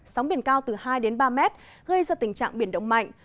trong đêm nay sống biển cao từ hai ba m gây ra tình trạng biển động mạnh